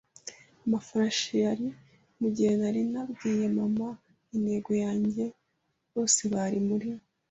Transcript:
amafarashi yari. Mugihe nari nabwiye mama intego yanjye bose bari muri